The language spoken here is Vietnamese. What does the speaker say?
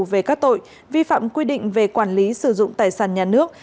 về các tội vi phạm quy định về quản lý sử dụng tài sản nhà nước